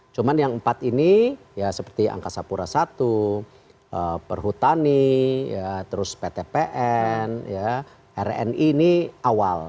cuman yang empat ini ya seperti angkasa pura i perhutani terus ptpn rni ini awal